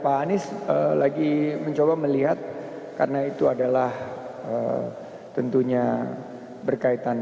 pak anies lagi mencoba melihat karena itu adalah tentunya berkaitan